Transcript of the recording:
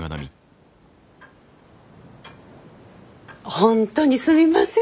本当にすみません。